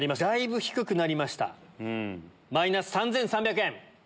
だいぶ低くなりましたマイナス３３００円。